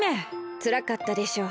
つらかったでしょう。